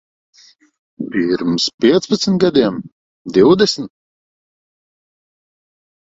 Pirms piecpadsmit gadiem? Divdesmit?